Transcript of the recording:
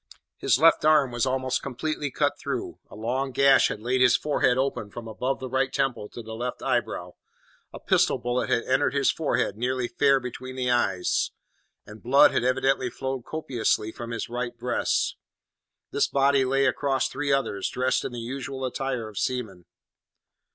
His left arm was almost completely cut through; a long gash had laid his forehead open from above the right temple to the left eyebrow; a pistol bullet had entered his forehead nearly fair between the eyes; and blood had evidently flowed copiously from his right breast. This body lay across three others, dressed in the usual attire of seamen.